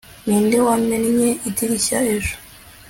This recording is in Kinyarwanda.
ninde wamennye idirishya ejo